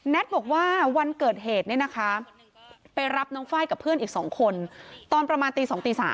แน็ตบอกว่าวันเกิดเหตุไปรับน้องไฟล์กับเพื่อนอีก๒คนตอนประมาณตี๒๓